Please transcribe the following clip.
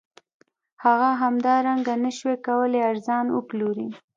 هغه همدارنګه نشوای کولی ارزان وپلوري